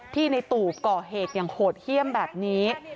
ในตูบก่อเหตุอย่างโหดเยี่ยมแบบนี้